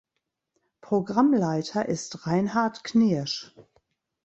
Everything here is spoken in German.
Programmleiter ist Reinhart Knirsch.